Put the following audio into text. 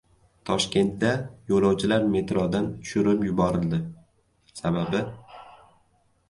Toshkentda yo‘lovchilar metrodan tushirib yuborildi. Sababi...